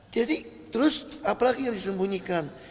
jadi terus apalagi yang disembunyikan